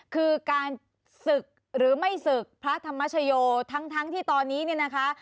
คือการศึกหรือไม่ศึกพระธรรมชโยทั้งที่ตอนนี้เนี่ยนะคะ